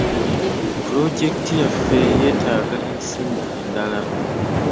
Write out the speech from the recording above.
Pulojeketi yaffe yetaaga ensimbi endala.